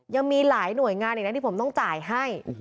ยังมีหลายหน่วยงานอีกนะที่ผมต้องจ่ายให้